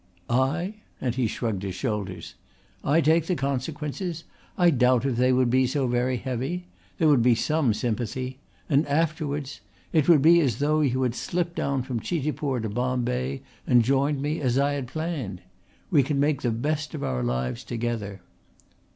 "I?" and he shrugged his shoulders. "I take the consequences. I doubt if they would be so very heavy. There would be some sympathy. And afterwards it would be as though you had slipped down from Chitipur to Bombay and joined me as I had planned. We can make the best of our lives together."